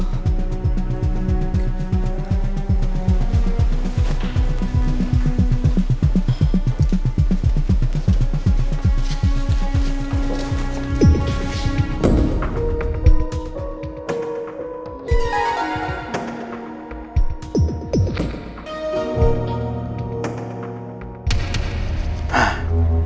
sampai jumpa lagi